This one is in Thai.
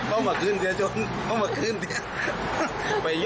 เอามาคืนเถียงไปยกตังค์ไปถึงไหนก็ได้